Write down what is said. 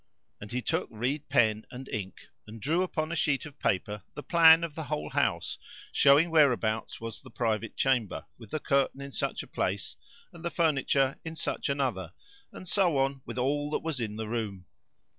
and he took reed pen and ink and drew upon a sheet of paper the plan of the whole house, showing whereabouts was the private chamber with the curtain in such a place and the furniture in such another and so on with all that was in the room.